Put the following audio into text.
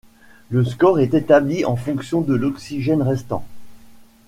Le score est établi en fonction de l'oxygène restant.